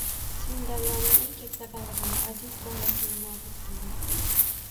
“Sen daryoning eng katta balig’ini, aziz bolasini nobud qilding